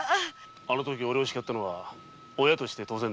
あのときおれをしかったのは親として当然だ。